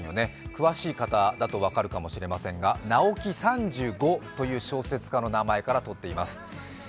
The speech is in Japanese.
詳しい方だと分かるかもしれませんが、直木三十五という小説家の名前からとっています。